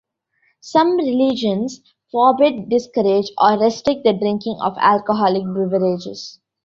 Some religions forbid, discourage, or restrict the drinking of alcoholic beverages.